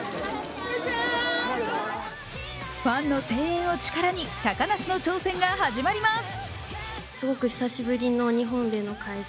ファンの声援を力に高梨の挑戦が始まります。